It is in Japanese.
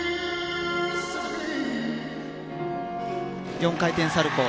４回転サルコウ。